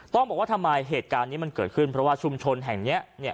บอกว่าทำไมเหตุการณ์นี้มันเกิดขึ้นเพราะว่าชุมชนแห่งนี้เนี่ย